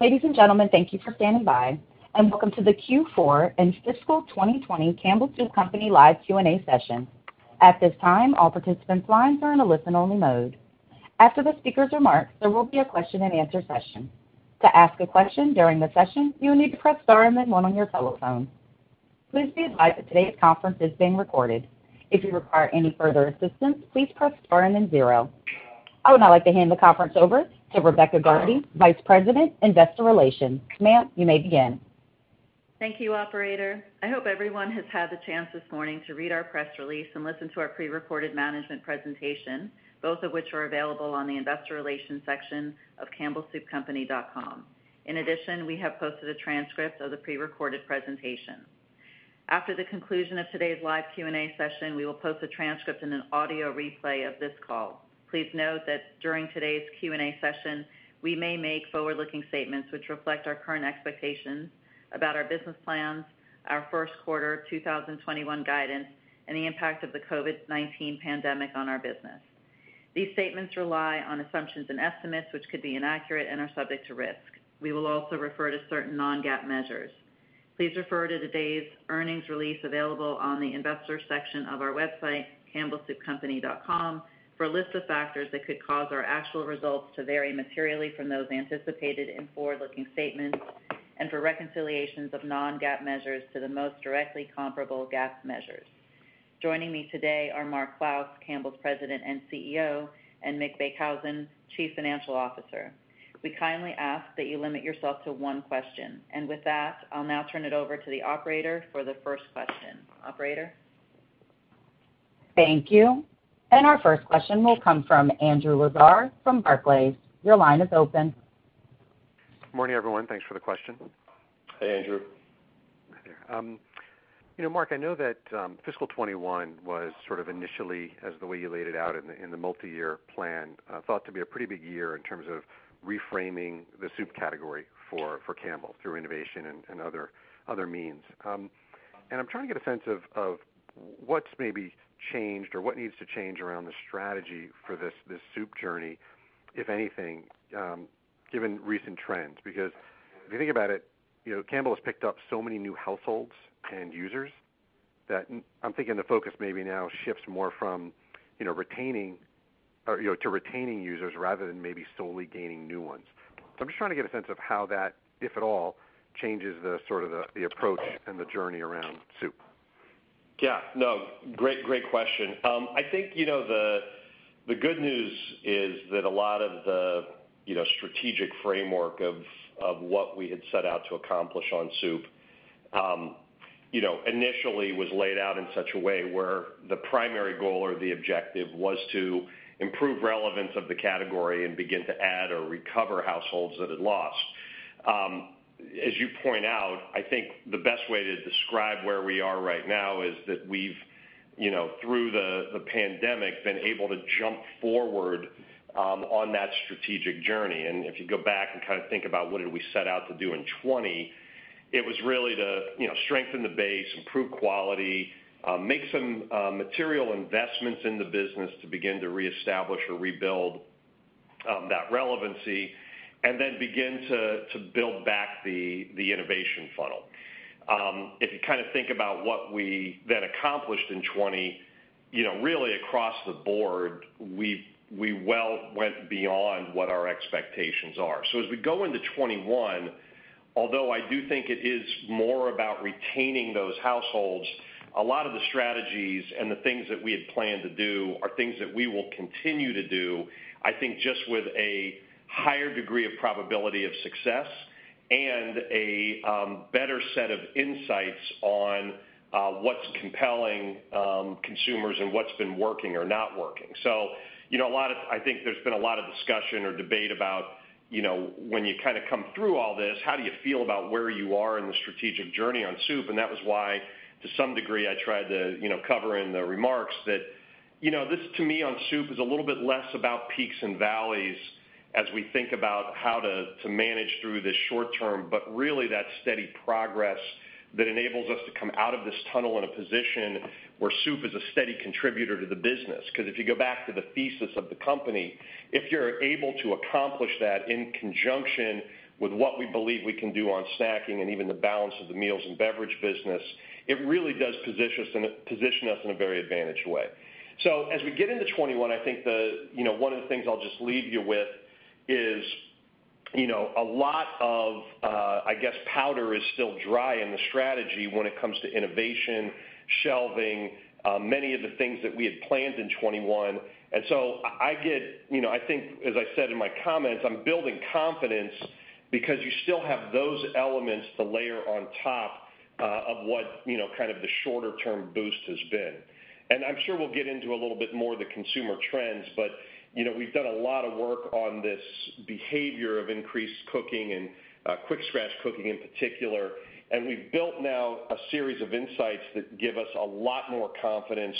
Ladies and gentlemen, thank you for standing by, and welcome to the Q4 and fiscal 2020 Campbell Soup Company live Q&A session. At this time, all participants' lines are in a listen-only mode. After the speakers' remarks, there will be a question-and-answer session. To ask a question during the session, you will need to press star and then one on your telephone. Please be advised that today's conference is being recorded. If you require any further assistance, please press star and then zero. I would now like to hand the conference over to Rebecca Gardy, Vice President, Investor Relations. Ma'am, you may begin. Thank you, operator. I hope everyone has had the chance this morning to read our press release and listen to our pre-recorded management presentation, both of which are available on the investor relations section of campbellsoupcompany.com. In addition, we have posted a transcript of the pre-recorded presentation. After the conclusion of today's live Q&A session, we will post a transcript and an audio replay of this call. Please note that during today's Q&A session, we may make forward-looking statements which reflect our current expectations about our business plans, our first quarter 2021 guidance, and the impact of the COVID-19 pandemic on our business. These statements rely on assumptions and estimates, which could be inaccurate and are subject to risk. We will also refer to certain non-GAAP measures. Please refer to today's earnings release available on the investor section of our website, campbellsoupcompany.com, for a list of factors that could cause our actual results to vary materially from those anticipated in forward-looking statements and for reconciliations of non-GAAP measures to the most directly comparable GAAP measures. Joining me today are Mark Clouse, Campbell's President and CEO, and Mick Beekhuizen, Chief Financial Officer. We kindly ask that you limit yourself to one question. With that, I'll now turn it over to the operator for the first question. Operator? Thank you. Our first question will come from Andrew Lazar from Barclays. Your line is open. Morning, everyone. Thanks for the question. Hey, Andrew. Hi there. Mark, I know that fiscal 2021 was sort of initially, as the way you laid it out in the multi-year plan, thought to be a pretty big year in terms of reframing the soup category for Campbell through innovation and other means. I'm trying to get a sense of what's maybe changed or what needs to change around the strategy for this soup journey, if anything, given recent trends. If you think about it, Campbell has picked up so many new households and users that I'm thinking the focus maybe now shifts more to retaining users rather than maybe solely gaining new ones. I'm just trying to get a sense of how that, if at all, changes the approach and the journey around soup. Yeah. No, great question. I think, the good news is that a lot of the strategic framework of what we had set out to accomplish on soup, initially was laid out in such a way where the primary goal or the objective was to improve relevance of the category and begin to add or recover households that had lost. As you point out, I think the best way to describe where we are right now is that we've, through the pandemic, been able to jump forward on that strategic journey. If you go back and think about what did we set out to do in 2020, it was really to strengthen the base, improve quality, make some material investments in the business to begin to reestablish or rebuild that relevancy, then begin to build back the innovation funnel. If you think about what we then accomplished in 2020, really across the board, we well went beyond what our expectations are. As we go into 2021, although I do think it is more about retaining those households, a lot of the strategies and the things that we had planned to do are things that we will continue to do, I think, just with a higher degree of probability of success and a better set of insights on what's compelling consumers and what's been working or not working. I think there's been a lot of discussion or debate about when you come through all this, how do you feel about where you are in the strategic journey on soup? That was why, to some degree, I tried to cover in the remarks that this, to me, on soup, is a little bit less about peaks and valleys as we think about how to manage through the short term, but really that steady progress that enables us to come out of this tunnel in a position where soup is a steady contributor to the business. Because if you go back to the thesis of the company, if you're able to accomplish that in conjunction with what we believe we can do on snacking and even the balance of the Meals & Beverages business, it really does position us in a very advantaged way. As we get into 2021, I think one of the things I'll just leave you with is a lot of, I guess, powder is still dry in the strategy when it comes to innovation, shelving, many of the things that we had planned in 2021. I think, as I said in my comments, I'm building confidence because you still have those elements to layer on top of what the shorter-term boost has been. I'm sure we'll get into a little bit more of the consumer trends, but we've done a lot of work on this behavior of increased cooking and quick scratch cooking in particular, and we've built now a series of insights that give us a lot more confidence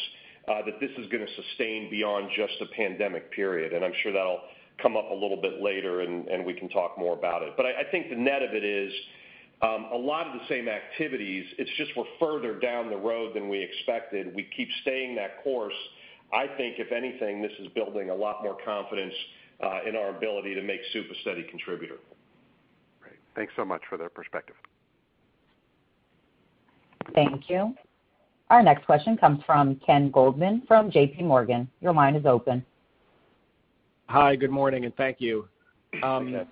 that this is going to sustain beyond just the pandemic period. I'm sure that'll come up a little bit later, and we can talk more about it. I think the net of it is. A lot of the same activities, it's just we're further down the road than we expected. We keep staying that course. I think, if anything, this is building a lot more confidence in our ability to make soup a steady contributor. Great. Thanks so much for the perspective. Thank you. Our next question comes from Ken Goldman from JPMorgan. Hi, good morning, and thank you. Yes.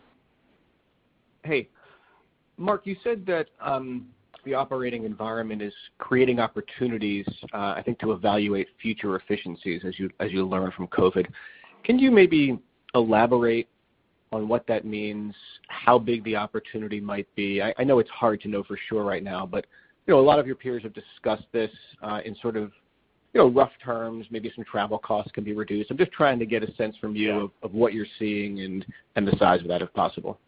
Hey, Mark, you said that the operating environment is creating opportunities, I think, to evaluate future efficiencies as you learn from COVID-19. Can you maybe elaborate on what that means, how big the opportunity might be? I know it's hard to know for sure right now, but a lot of your peers have discussed this in rough terms. Maybe some travel costs can be reduced. I'm just trying to get a sense from you. Yeah of what you're seeing and the size of that, if possible?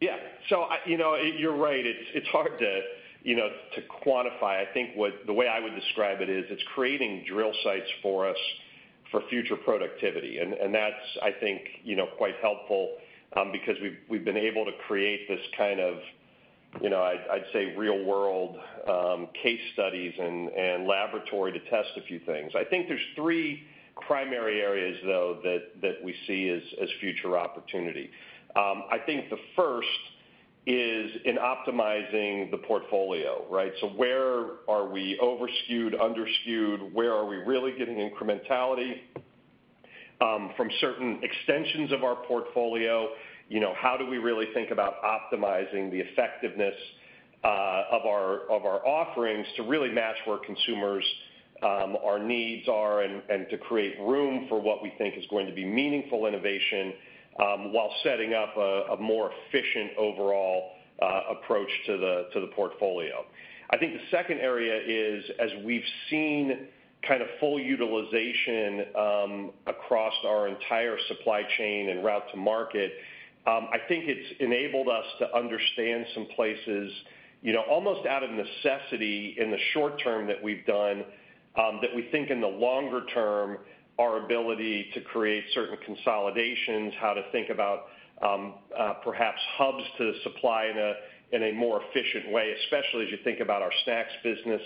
Yeah. You're right, it's hard to quantify. I think the way I would describe it is, it's creating drill sites for us for future productivity, and that's, I think, quite helpful, because we've been able to create this kind of, I'd say, real-world case studies and laboratory to test a few things. I think there's three primary areas, though, that we see as future opportunity. I think the first is in optimizing the portfolio, right? Where are we over-skewed, under-skewed? Where are we really getting incrementality from certain extensions of our portfolio? How do we really think about optimizing the effectiveness of our offerings to really match where consumers, our needs are, and to create room for what we think is going to be meaningful innovation, while setting up a more efficient overall approach to the portfolio. I think the second area is, as we've seen full utilization across our entire supply chain and route to market, I think it's enabled us to understand some places, almost out of necessity in the short term that we've done, that we think in the longer term, our ability to create certain consolidations, how to think about perhaps hubs to supply in a more efficient way, especially as you think about our Snacks business,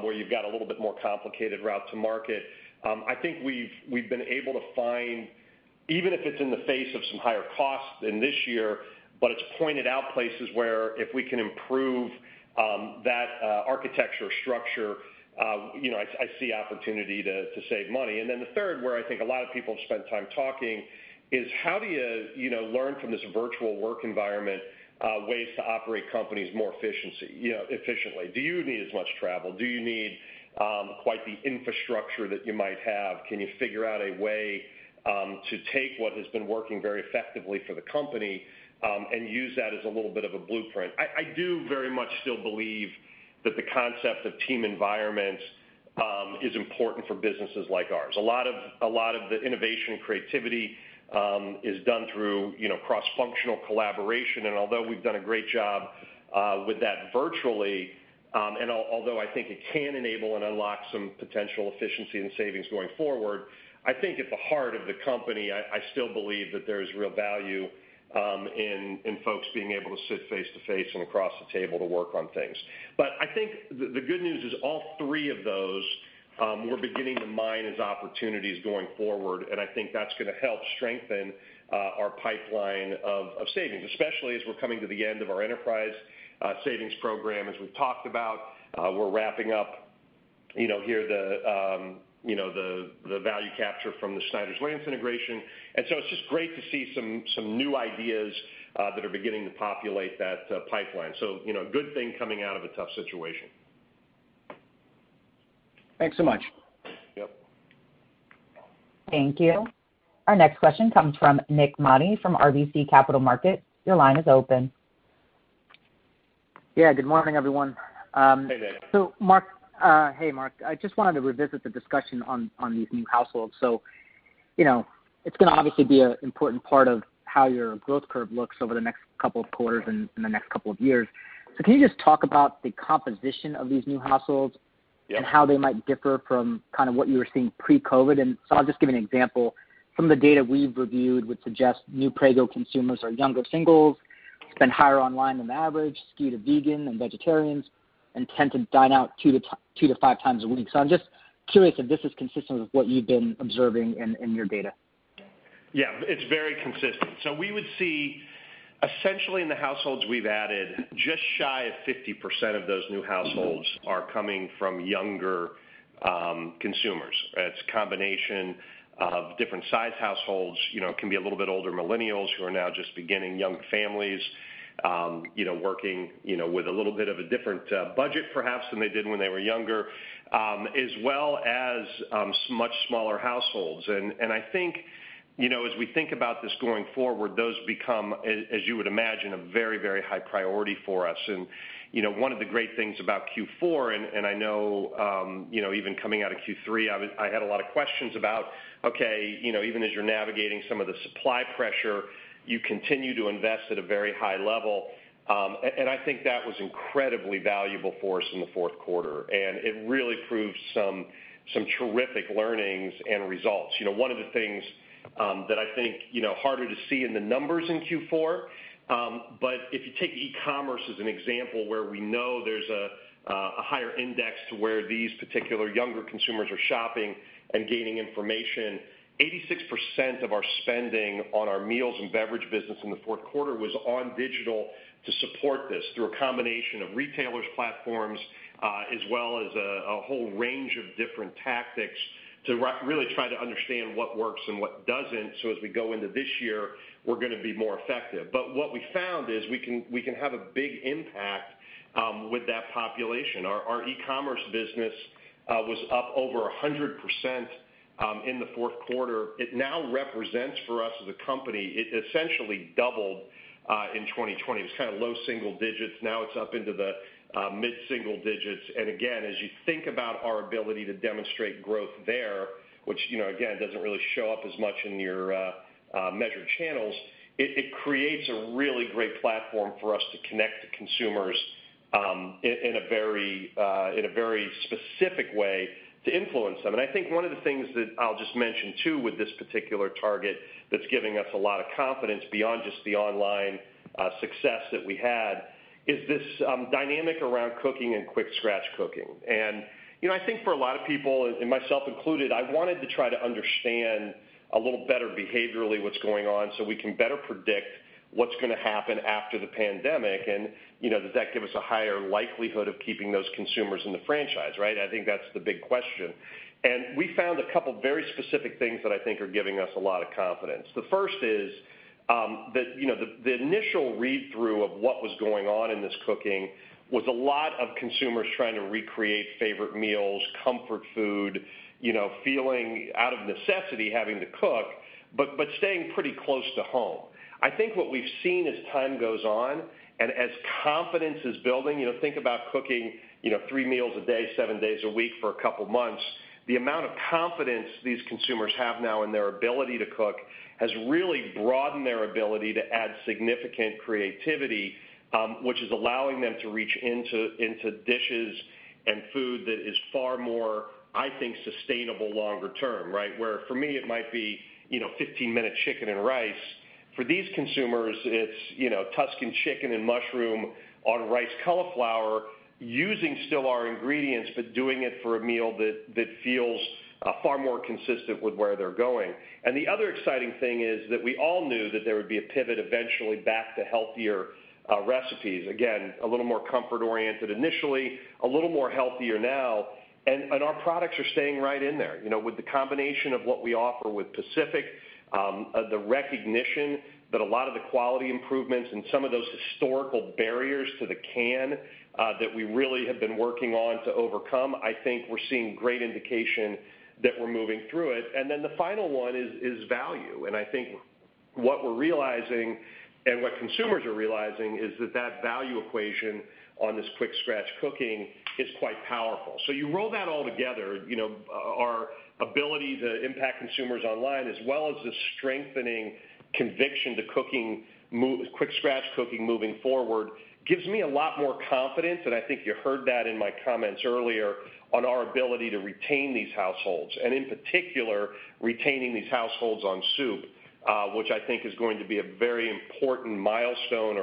where you've got a little bit more complicated route to market. I think we've been able to find, even if it's in the face of some higher costs in this year, but it's pointed out places where if we can improve that architecture or structure, I see opportunity to save money. The third, where I think a lot of people have spent time talking, is how do you learn from this virtual work environment, ways to operate companies more efficiently? Do you need as much travel? Do you need quite the infrastructure that you might have? Can you figure out a way to take what has been working very effectively for the company, and use that as a little bit of a blueprint? I do very much still believe that the concept of team environments is important for businesses like ours. A lot of the innovation and creativity is done through cross-functional collaboration, and although we've done a great job with that virtually, and although I think it can enable and unlock some potential efficiency and savings going forward, I think at the heart of the company, I still believe that there's real value in folks being able to sit face-to-face and across the table to work on things. I think the good news is all three of those, we're beginning to mine as opportunities going forward, and I think that's going to help strengthen our pipeline of savings, especially as we're coming to the end of our enterprise savings program, as we've talked about. We're wrapping up here the value capture from the Snyder's-Lance integration. It's just great to see some new ideas that are beginning to populate that pipeline. A good thing coming out of a tough situation. Thanks so much. Yep. Thank you. Our next question comes from Nik Modi from RBC Capital Markets. Your line is open. Yeah. Good morning, everyone. Hey, Nik. Hey, Mark. I just wanted to revisit the discussion on these new households. It's going to obviously be an important part of how your growth curve looks over the next couple of quarters and the next couple of years. Can you just talk about the composition of these new households and how they might differ from what you were seeing pre-COVID? I'll just give an example. From the data we've reviewed would suggest new Prego consumers are younger singles, spend higher online than the average, skewed to vegan and vegetarians, and tend to dine out two to five times a week. I'm just curious if this is consistent with what you've been observing in your data. Yeah, it's very consistent. We would see, essentially in the households we've added, just shy of 50% of those new households are coming from younger consumers. It's a combination of different size households. It can be a little bit older millennials who are now just beginning young families, working with a little bit of a different budget perhaps than they did when they were younger, as well as much smaller households. I think as we think about this going forward, those become as you would imagine, a very, very high priority for us. One of the great things about Q4, and I know even coming out of Q3, I had a lot of questions about, okay, even as you're navigating some of the supply pressure, you continue to invest at a very high level, and I think that was incredibly valuable for us in the fourth quarter, and it really proved some terrific learnings and results. One of the things that I think harder to see in the numbers in Q4. If you take e-commerce as an example, where we know there's a higher index to where these particular younger consumers are shopping and gaining information, 86% of our spending on our Meals & Beverages business in the fourth quarter was on digital to support this, through a combination of retailers' platforms, as well as a whole range of different tactics to really try to understand what works and what doesn't. As we go into this year, we're going to be more effective. What we found is we can have a big impact with that population. Our e-commerce business was up over 100% in the fourth quarter. It now represents for us as a company, it essentially doubled in 2020. It was low single digits. Now it's up into the mid-single digits. Again, as you think about our ability to demonstrate growth there, which, again, doesn't really show up as much in your measured channels, it creates a really great platform for us to connect to consumers in a very specific way to influence them. I think one of the things that I'll just mention too with this particular target that's giving us a lot of confidence beyond just the online success that we had, is this dynamic around cooking and quick scratch cooking. I think for a lot of people, and myself included, I wanted to try to understand a little better behaviorally what's going on, so we can better predict what's going to happen after the pandemic and does that give us a higher likelihood of keeping those consumers in the franchise, right? I think that's the big question. We found a couple of very specific things that I think are giving us a lot of confidence. The first is that the initial read-through of what was going on in this cooking was a lot of consumers trying to recreate favorite meals, comfort food, feeling out of necessity having to cook, but staying pretty close to home. I think what we've seen as time goes on and as confidence is building, think about cooking three meals a day, seven days a week for a couple of months. The amount of confidence these consumers have now in their ability to cook has really broadened their ability to add significant creativity, which is allowing them to reach into dishes and food that is far more, I think, sustainable longer term, right? Where for me, it might be 15-minute chicken and rice. For these consumers, it's Tuscan chicken and mushroom on riced cauliflower, using still our ingredients, but doing it for a meal that feels far more consistent with where they're going. The other exciting thing is that we all knew that there would be a pivot eventually back to healthier recipes. Again, a little more comfort oriented initially, a little more healthier now. Our products are staying right in there. With the combination of what we offer with Pacific, the recognition that a lot of the quality improvements and some of those historical barriers to the can, that we really have been working on to overcome, I think we're seeing great indication that we're moving through it. The final one is value. I think what we're realizing and what consumers are realizing is that that value equation on this quick scratch cooking is quite powerful. You roll that all together, our ability to impact consumers online, as well as the strengthening conviction to quick scratch cooking moving forward, gives me a lot more confidence, and I think you heard that in my comments earlier, on our ability to retain these households. In particular, retaining these households on soup, which I think is going to be a very important milestone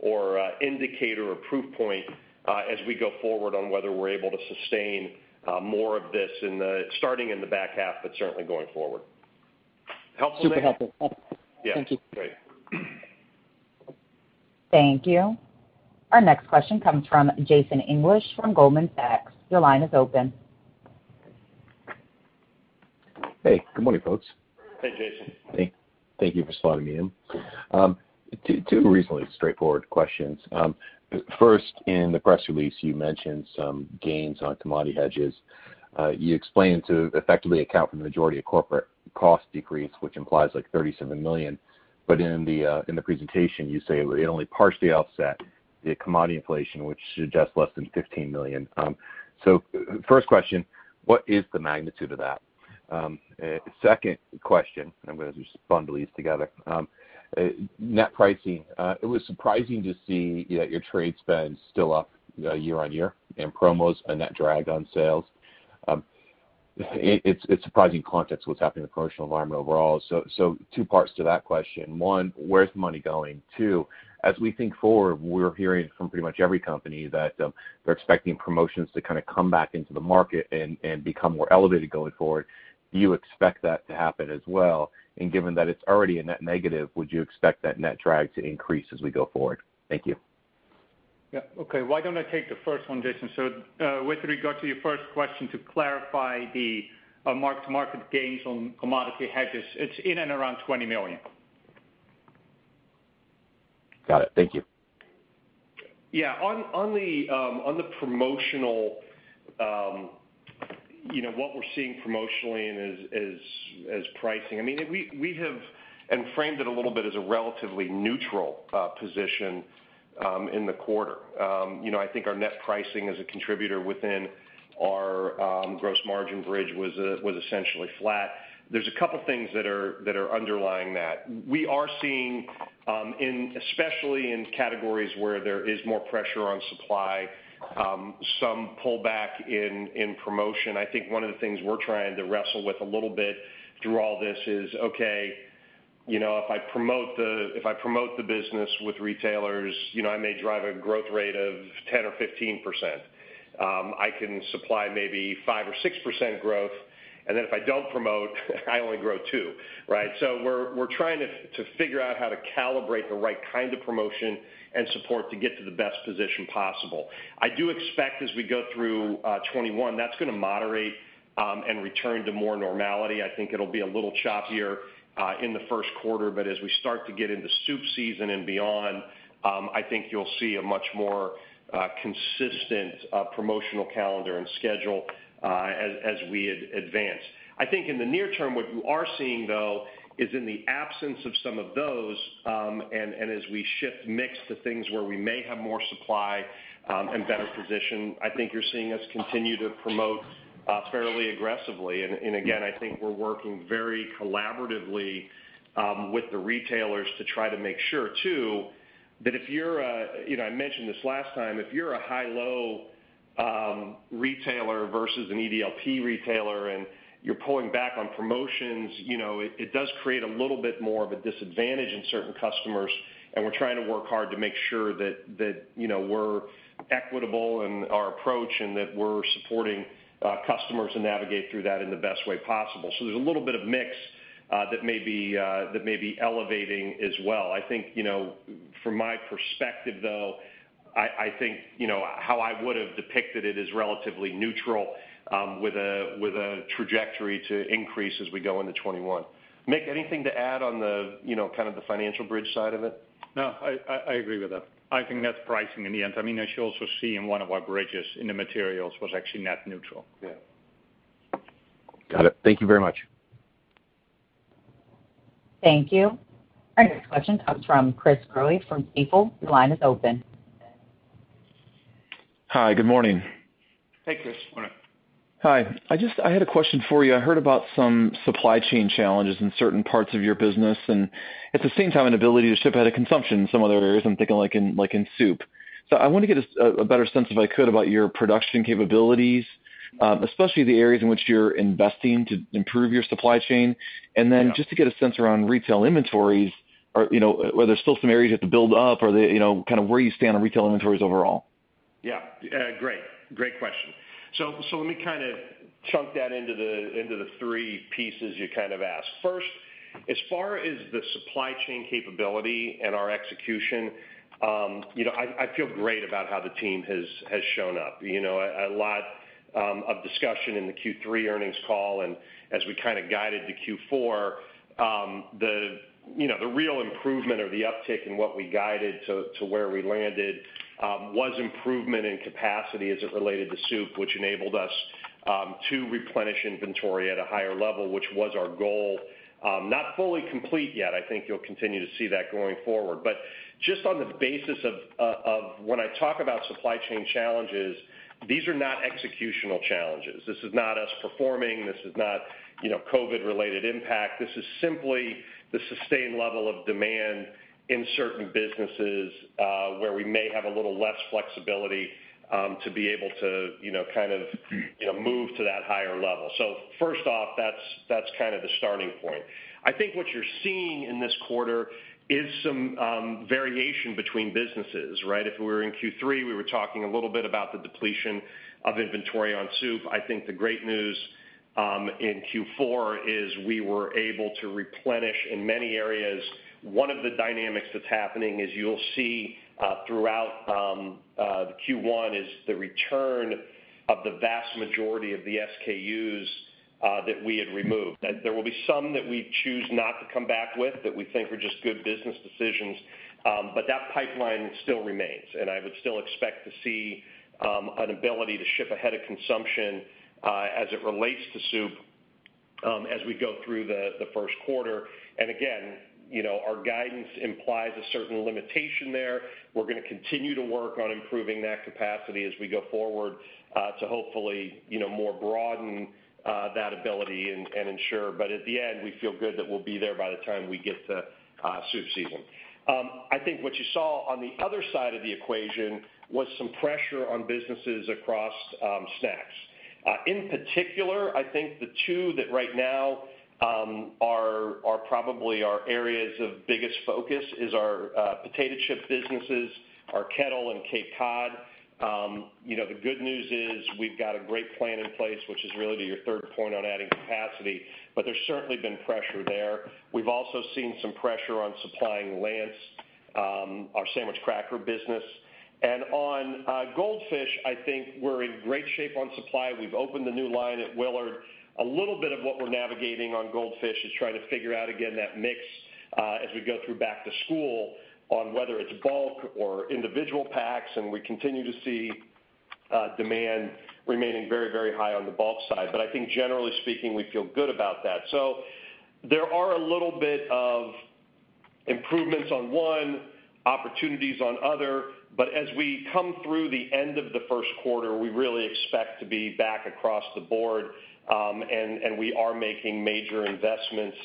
or indicator or proof point, as we go forward on whether we're able to sustain more of this, starting in the back half, but certainly going forward. Helpful, Nik? Super helpful. Yeah. Thank you. Great. Thank you. Our next question comes from Jason English from Goldman Sachs. Your line is open. Hey, good morning, folks. Hey, Jason. Hey, thank you for spotting me in. Two reasonably straightforward questions. First, in the press release, you mentioned some gains on commodity hedges. You explained to effectively account for the majority of corporate cost decrease, which implies like $37 million, but in the presentation, you say it would only partially offset the commodity inflation, which suggests less than $15 million. First question, what is the magnitude of that? Second question, I'm going to just bundle these together. Net pricing. It was surprising to see that your trade spend's still up year-on-year and promos, a net drag on sales. It's surprising in context what's happening with promotional volume overall. Two parts to that question. One, where's the money going? Two, as we think forward, we're hearing from pretty much every company that they're expecting promotions to kind of come back into the market and become more elevated going forward. Do you expect that to happen as well? Given that it's already a net negative, would you expect that net drag to increase as we go forward? Thank you. Yeah. Okay. Why don't I take the first one, Jason? With regard to your first question, to clarify the mark-to-market gains on commodity hedges, it's in and around $20 million. Got it. Thank you. Yeah. On the promotional, what we're seeing promotionally and as pricing, we have framed it a little bit as a relatively neutral position in the quarter. I think our net pricing as a contributor within our gross margin bridge was essentially flat. There's a couple things that are underlying that. We are seeing especially in categories where there is more pressure on supply, some pullback in promotion. I think one of the things we're trying to wrestle with a little bit through all this is, okay, if I promote the business with retailers, I may drive a growth rate of 10% or 15%. I can supply maybe 5% or 6% growth, and then if I don't promote, I only grow 2%, right? We're trying to figure out how to calibrate the right kind of promotion and support to get to the best position possible. I do expect as we go through 2021, that's going to moderate and return to more normality. I think it'll be a little choppier in the first quarter, as we start to get into soup season and beyond, I think you'll see a much more consistent promotional calendar and schedule as we advance. I think in the near term, what you are seeing, though, is in the absence of some of those, and as we shift mix to things where we may have more supply and better position, I think you're seeing us continue to promote fairly aggressively. Again, I think we're working very collaboratively with the retailers to try to make sure, too, that I mentioned this last time, if you're a high-low retailer versus an EDLP retailer and you're pulling back on promotions, it does create a little bit more of a disadvantage in certain customers. We're trying to work hard to make sure that we're equitable in our approach and that we're supporting customers to navigate through that in the best way possible. There's a little bit of mix that may be elevating as well. I think from my perspective, though, I think, how I would've depicted it is relatively neutral, with a trajectory to increase as we go into 2021. Mick, anything to add on the kind of the financial bridge side of it? No, I agree with that. I think that's pricing in the end. I mean, as you also see in one of our bridges in the materials was actually net neutral. Yeah. Got it. Thank you very much. Thank you. Our next question comes from Chris Growe from Stifel. Your line is open. Hi, good morning. Hey, Chris. Morning. Hi. I had a question for you. I heard about some supply chain challenges in certain parts of your business, and at the same time, an ability to ship out a consumption in some other areas, I'm thinking like in soup. I want to get a better sense, if I could, about your production capabilities, especially the areas in which you're investing to improve your supply chain. Just to get a sense around retail inventories, are there still some areas you have to build up? Kind of where you stand on retail inventories overall? Yeah. Great question. Let me kind of chunk that into the three pieces you kind of asked. First, as far as the supply chain capability and our execution, I feel great about how the team has shown up. A lot of discussion in the Q3 earnings call, and as we kind of guided to Q4, the real improvement or the uptick in what we guided to where we landed, was improvement in capacity as it related to soup, which enabled us to replenish inventory at a higher level, which was our goal. Not fully complete yet. I think you'll continue to see that going forward. Just on the basis of when I talk about supply chain challenges, these are not executional challenges. This is not us performing, this is not COVID-related impact. This is simply the sustained level of demand in certain businesses, where we may have a little less flexibility to be able to kind of move to that higher level. First off, that's kind of the starting point. I think what you're seeing in this quarter is some variation between businesses, right? If we were in Q3, we were talking a little bit about the depletion of inventory on soup. The great news in Q4 is we were able to replenish in many areas. One of the dynamics that's happening is you'll see, throughout Q1, is the return of the vast majority of the SKUs that we had removed. There will be some that we choose not to come back with that we think were just good business decisions, but that pipeline still remains, and I would still expect to see an ability to ship ahead of consumption as it relates to soup, as we go through the first quarter. Again, our guidance implies a certain limitation there. We're going to continue to work on improving that capacity as we go forward, to hopefully more broaden that ability and ensure. At the end, we feel good that we'll be there by the time we get to soup season. I think what you saw on the other side of the equation was some pressure on businesses across Snacks. In particular, I think the two that right now are probably our areas of biggest focus is our potato chip businesses, our Kettle and Cape Cod. The good news is we've got a great plan in place, which is really to your third point on adding capacity, but there's certainly been pressure there. We've also seen some pressure on supplying Lance, our sandwich cracker business. On Goldfish, I think we're in great shape on supply. We've opened the new line at Willard. A little bit of what we're navigating on Goldfish is trying to figure out again that mix, as we go through back to school on whether it's bulk or individual packs. We continue to see demand remaining very, very high on the bulk side. I think generally speaking, we feel good about that. There are a little bit of improvements on one opportunities on other, but as we come through the end of the first quarter, we really expect to be back across the board, and we are making major investments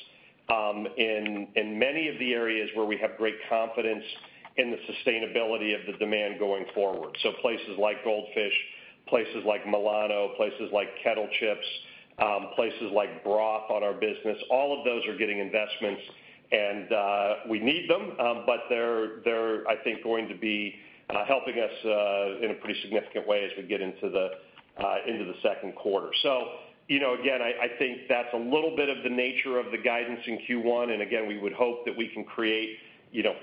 in many of the areas where we have great confidence in the sustainability of the demand going forward. Places like Goldfish, places like Milano, places like Kettle Chips, places like broth on our business, all of those are getting investments and we need them. They're, I think, going to be helping us in a pretty significant way as we get into the second quarter. Again, I think that's a little bit of the nature of the guidance in Q1. Again, we would hope that we can create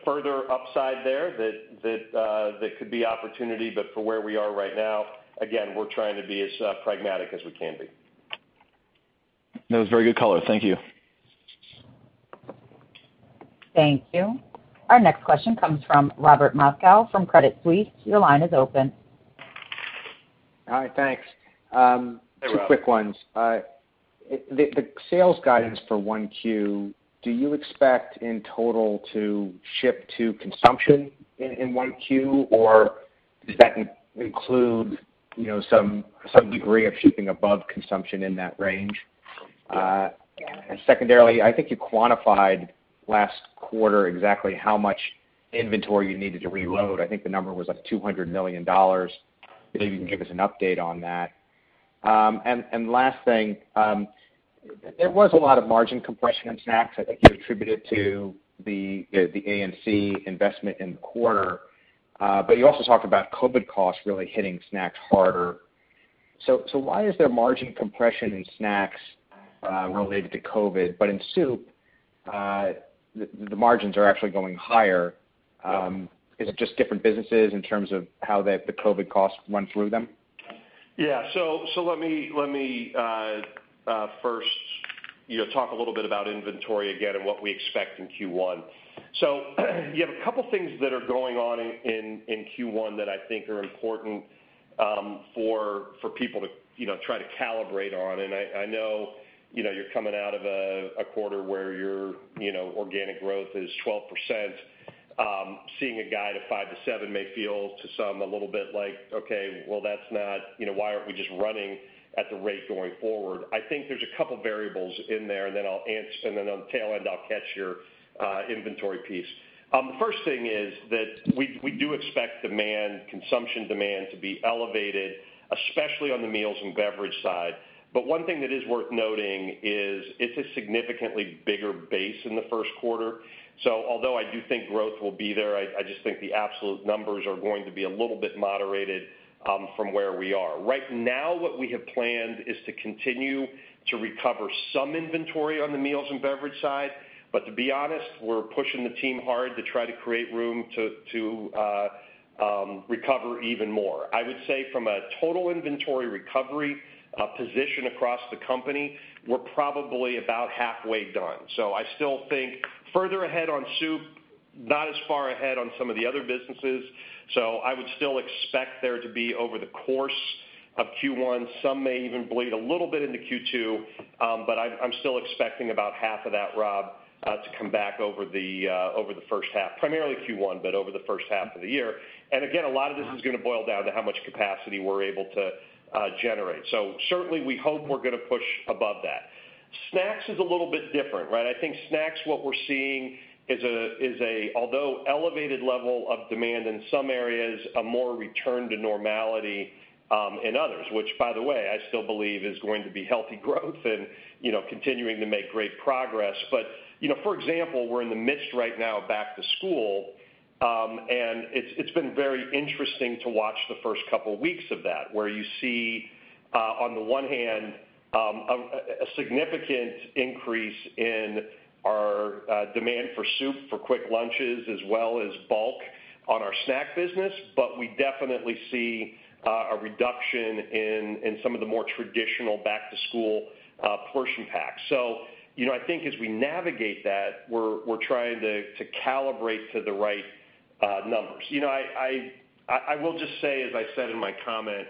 further upside there that could be opportunity, but for where we are right now, again, we're trying to be as pragmatic as we can be. That was very good color. Thank you. Thank you. Our next question comes from Robert Moskow from Credit Suisse. Your line is open. Hi, thanks. Hey, Rob. Two quick ones. The sales guidance for 1Q, do you expect in total to ship to consumption in 1Q, or does that include some degree of shipping above consumption in that range? Secondarily, I think you quantified last quarter exactly how much inventory you needed to reload. I think the number was like $200 million. Maybe you can give us an update on that. Last thing, there was a lot of margin compression in Snacks, I think you attributed to the A&C investment in the quarter. You also talked about COVID costs really hitting Snacks harder. Why is there margin compression in Snacks related to COVID, but in Soup, the margins are actually going higher. Is it just different businesses in terms of how the COVID costs run through them? Let me first talk a little bit about inventory again and what we expect in Q1. You have a couple things that are going on in Q1 that I think are important for people to try to calibrate on. I know you're coming out of a quarter where your organic growth is 12%. Seeing a guide of 5%-7% may feel, to some, a little bit like, "Okay, well, that's not why aren't we just running at the rate going forward?" I think there's a couple variables in there, and then on the tail end, I'll catch your inventory piece. The first thing is that we do expect consumption demand to be elevated, especially on the Meals & Beverages side. One thing that is worth noting is it's a significantly bigger base in the first quarter. Although I do think growth will be there, I just think the absolute numbers are going to be a little bit moderated from where we are. Right now, what we have planned is to continue to recover some inventory on the Meals & Beverages side. To be honest, we're pushing the team hard to try to create room to recover even more. I would say from a total inventory recovery position across the company, we're probably about halfway done. I still think further ahead on soup, not as far ahead on some of the other businesses. I would still expect there to be over the course of Q1, some may even bleed a little bit into Q2. I'm still expecting about half of that, Rob, to come back over the first half, primarily Q1, but over the first half of the year. Again, a lot of this is going to boil down to how much capacity we're able to generate. Certainly, we hope we're going to push above that. Snacks is a little bit different, right? I think Snacks, what we're seeing is, although elevated level of demand in some areas, a more return to normality in others, which, by the way, I still believe is going to be healthy growth and continuing to make great progress. For example, we're in the midst right now of back to school. It's been very interesting to watch the first couple weeks of that, where you see, on the one hand, a significant increase in our demand for soup, for quick lunches, as well as bulk on our Snack business. We definitely see a reduction in some of the more traditional back-to-school portion packs. I think as we navigate that, we're trying to calibrate to the right numbers. I will just say, as I said in my comment,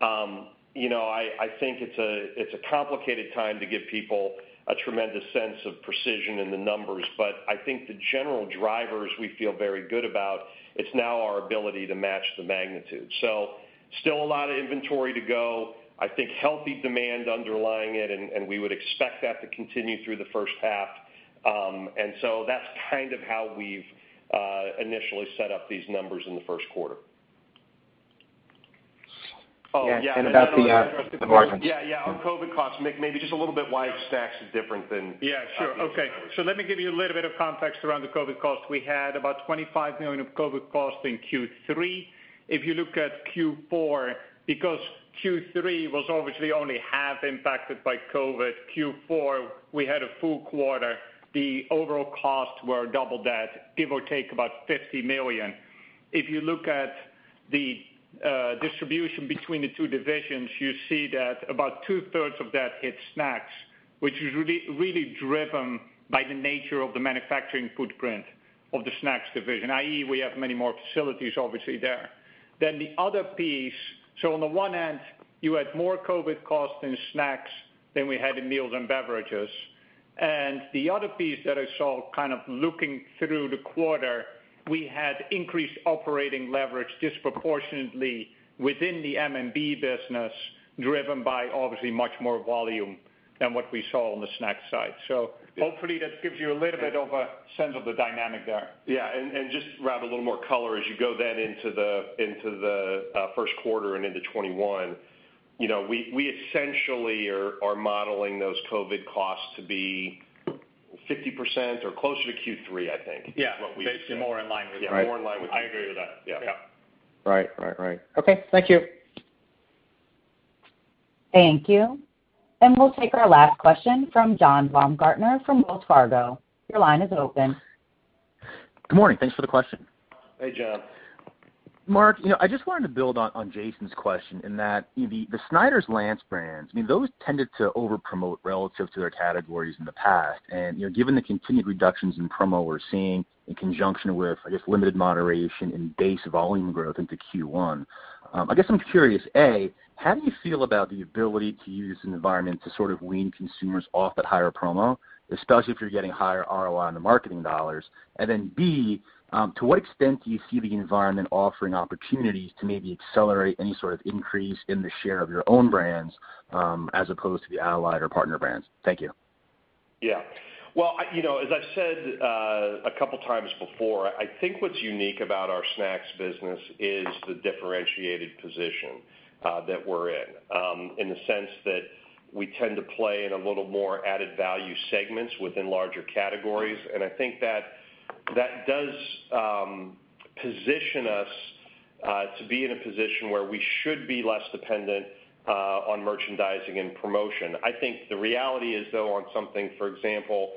I think it's a complicated time to give people a tremendous sense of precision in the numbers, but I think the general drivers we feel very good about, it's now our ability to match the magnitude. Still a lot of inventory to go, I think healthy demand underlying it, and we would expect that to continue through the first half. That's kind of how we've initially set up these numbers in the first quarter. Yeah, about the margins. Yeah. On COVID costs, Mick, maybe just a little bit why Snacks is different than- Yeah, sure. Okay. Let me give you a little bit of context around the COVID cost. We had about $25 million of COVID cost in Q3. If you look at Q4, because Q3 was obviously only half impacted by COVID, Q4, we had a full quarter. The overall costs were double that, give or take about $50 million. If you look at the distribution between the two divisions, you see that about two-thirds of that hit Snacks, which is really driven by the nature of the manufacturing footprint of the Snacks division, i.e., we have many more facilities, obviously there. The other piece, on the one hand, you had more COVID costs in Snacks than we had in Meals and Beverages. The other piece that I saw kind of looking through the quarter, we had increased operating leverage disproportionately within the M&B business, driven by obviously much more volume than what we saw on the Snacks side. Hopefully that gives you a little bit of a sense of the dynamic there. Just to add a little more color as you go then into the first quarter and into 2021. We essentially are modeling those COVID costs to be 50% or closer to Q3, I think. Yeah. Is what we- Basically more in line with that. Yeah, more in line with that. I agree with that. Yeah. Yeah. Right. Okay, thank you. Thank you. We'll take our last question from John Baumgartner from Wells Fargo. Your line is open. Good morning. Thanks for the question. Hey, John. Mark, I just wanted to build on Jason's question in that the Snyder's-Lance brands, those tended to over-promote relative to their categories in the past. Given the continued reductions in promo we're seeing in conjunction with, I guess, limited moderation in base volume growth into Q1, I guess I'm curious, A, how do you feel about the ability to use an environment to sort of wean consumers off at higher promo, especially if you're getting higher ROI on the marketing dollars? B, to what extent do you see the environment offering opportunities to maybe accelerate any sort of increase in the share of your own brands, as opposed to the allied or partner brands? Thank you. Yeah. Well, as I said a couple of times before, I think what's unique about our Snacks business is the differentiated position that we're in. In the sense that we tend to play in a little more added value segments within larger categories. I think that does position us to be in a position where we should be less dependent on merchandising and promotion. I think the reality is, though, on something, for example,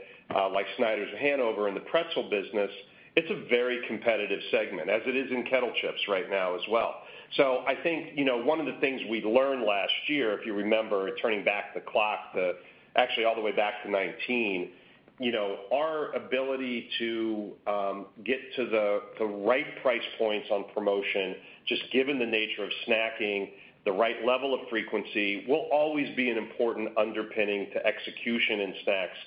like Snyder's of Hanover and the pretzel business, it's a very competitive segment, as it is in Kettle Chips right now as well. I think one of the things we learned last year, if you remember turning back the clock, actually all the way back to 2019, our ability to get to the right price points on promotion, just given the nature of snacking, the right level of frequency, will always be an important underpinning to execution in Snacks.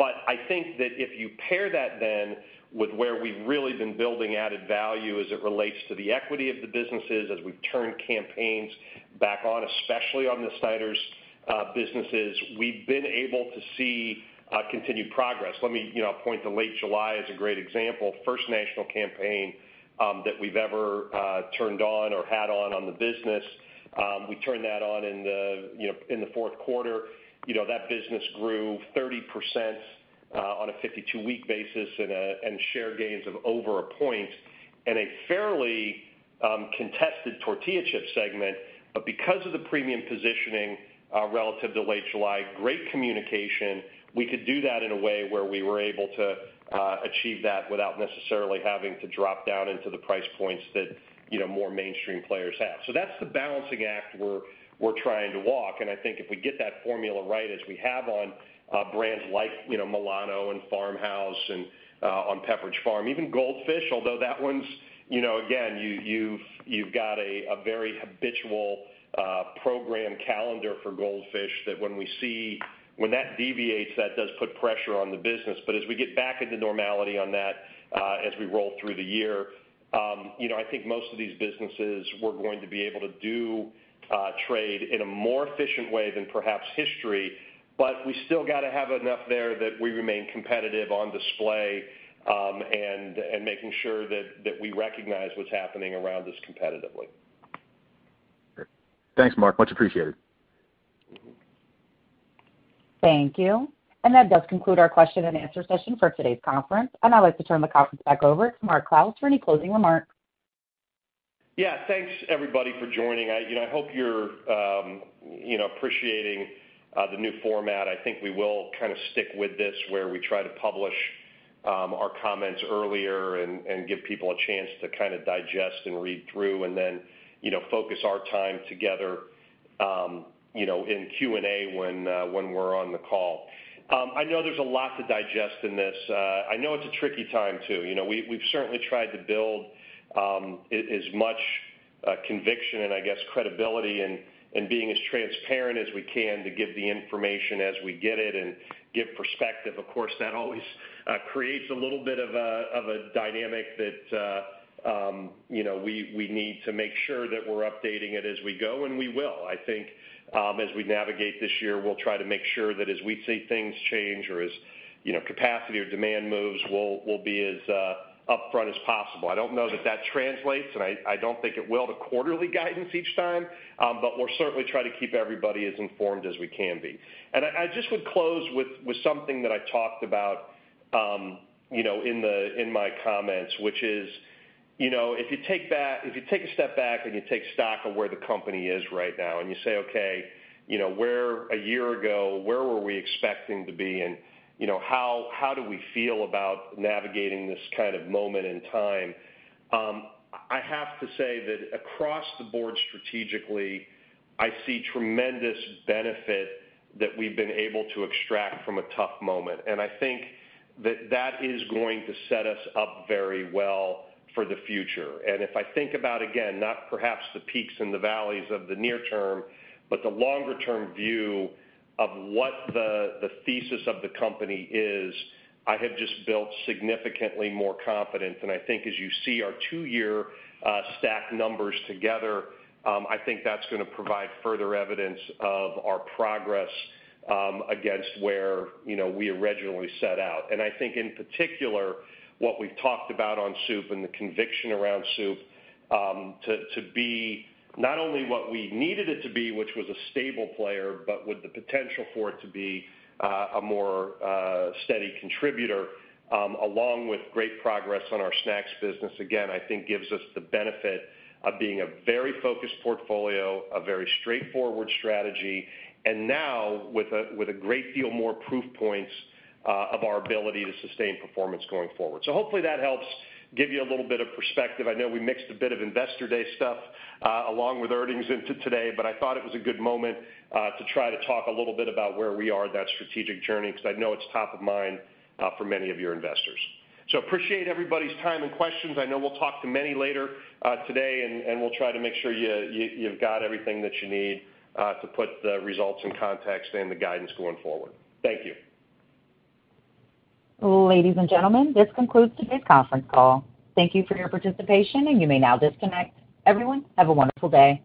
I think that if you pair that then with where we've really been building added value as it relates to the equity of the businesses, as we've turned campaigns back on, especially on the Snyder's businesses, we've been able to see continued progress. Let me point to Late July as a great example. First national campaign that we've ever turned on or had on the business. We turned that on in the fourth quarter. That business grew 30% on a 52-week basis and share gains of over a point in a fairly congested tortilla chip segment. Because of the premium positioning relative to Late July, great communication, we could do that in a way where we were able to achieve that without necessarily having to drop down into the price points that more mainstream players have. That's the balancing act we're trying to walk, and I think if we get that formula right, as we have on brands like Milano and Farmhouse and on Pepperidge Farm, even Goldfish, although that one's, again, you've got a very habitual program calendar for Goldfish that when that deviates, that does put pressure on the business. As we get back into normality on that as we roll through the year, I think most of these businesses, we're going to be able to do trade in a more efficient way than perhaps history. We still got to have enough there that we remain competitive on display, and making sure that we recognize what's happening around us competitively. Great. Thanks, Mark. Much appreciated. Thank you. That does conclude our question and answer session for today's conference, and I'd like to turn the conference back over to Mark Clouse for any closing remarks. Thanks everybody for joining. I hope you're appreciating the new format. I think we will kind of stick with this, where we try to publish our comments earlier and give people a chance to kind of digest and read through, and then focus our time together in Q&A when we're on the call. I know there's a lot to digest in this. I know it's a tricky time, too. We've certainly tried to build as much conviction and I guess credibility and being as transparent as we can to give the information as we get it and give perspective. Of course, that always creates a little bit of a dynamic that we need to make sure that we're updating it as we go, and we will. I think as we navigate this year, we'll try to make sure that as we see things change or as capacity or demand moves, we'll be as upfront as possible. I don't know that that translates, and I don't think it will to quarterly guidance each time. We'll certainly try to keep everybody as informed as we can be. I just would close with something that I talked about in my comments, which is if you take a step back and you take stock of where the company is right now, and you say, "Okay, a year ago, where were we expecting to be, and how do we feel about navigating this kind of moment in time?" I have to say that across the board strategically, I see tremendous benefit that we've been able to extract from a tough moment. I think that that is going to set us up very well for the future. If I think about, again, not perhaps the peaks and the valleys of the near term, but the longer-term view of what the thesis of the company is, I have just built significantly more confidence. I think as you see our two-year stack numbers together, I think that's going to provide further evidence of our progress against where we originally set out. I think in particular, what we've talked about on soup and the conviction around soup, to be not only what we needed it to be, which was a stable player, but with the potential for it to be a more steady contributor, along with great progress on our Snacks business, again, I think gives us the benefit of being a very focused portfolio, a very straightforward strategy. Now with a great deal more proof points of our ability to sustain performance going forward. Hopefully that helps give you a little bit of perspective. I know we mixed a bit of Investor Day stuff along with earnings into today, but I thought it was a good moment to try to talk a little bit about where we are in that strategic journey, because I know it's top of mind for many of your investors. Appreciate everybody's time and questions. I know we'll talk to many later today, and we'll try to make sure you've got everything that you need to put the results in context and the guidance going forward. Thank you. Ladies and gentlemen, this concludes today's conference call. Thank you for your participation, and you may now disconnect. Everyone, have a wonderful day.